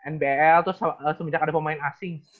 nbl terus semenjak ada pemain asing